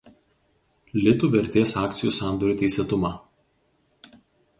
Lt vertės akcijų sandorių teisėtumą.